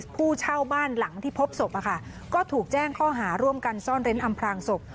ผู้เช่าบ้านหลังที่พบศพก็ถูกแจ้งข้อหาร่วมกันซ่อนเร้นอำพลางศพ